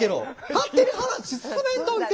勝手に話進めんといて。